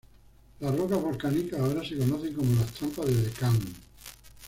Las rocas volcánicas ahora se conocen como las Trampas de Deccan.